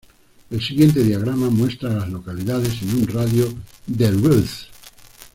El siguiente diagrama muestra a las localidades en un radio de de Ruth.